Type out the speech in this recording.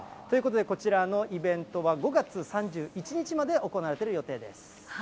ということで、こちらのイベントは５月３１日まで行われている予定です。